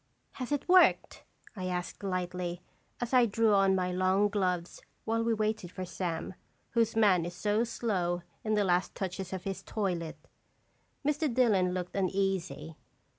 "Has it worked?" I asked, lightly, as I drew on my long gloves while we waited for Sam, whose man is so slow in the last touches of his toilet. Mr. Dillon looked uneasy.